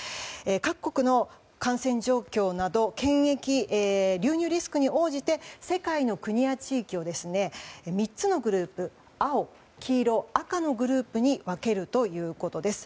各国の感染状況など検疫、流入リスクに応じて世界の国や地域を３つのグループ青、黄色、赤のグループに分けるということです。